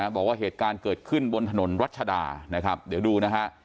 บอกว่าเหตุการณ์เกิดขึ้นบนถนนรัชดานะครับเดี๋ยวดูนะฮะ